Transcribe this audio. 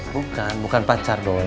bukan bukan pacar doi